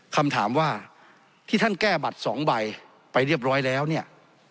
คำถามว่าที่ท่านแก้บัตรสองใบไปเรียบร้อยแล้วเนี่ย